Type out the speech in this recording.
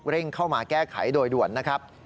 เข้ามาแก้ไขโดยด่วนนะครับ